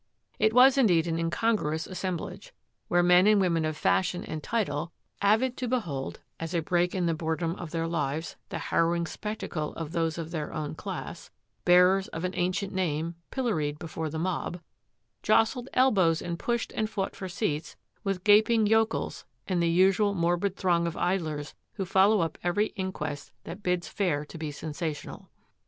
It was, in deed, an incongruous assemblage, where men and women of fashion and title — avid to behold, as a break in the boredom of their lives, the harrow ing spectacle of those of their own class, bearers of an ancient name, pilloried before the mob — jostled elbows and pushed and fought for seats with gaping yokels and the usual morbid throng of idlers who follow up every inquest that bids fair to be sensational.